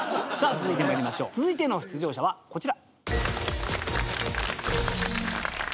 続いての出場者はこちら。